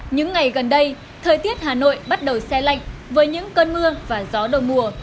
những ngày gần đây thời tiết hà nội bắt đầu xe lạnh với những cơn mưa và gió đầu mùa